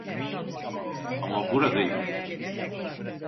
Ama buradayım.